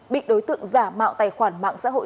bị đối tượng giả mạo tài khoản mạng xã hội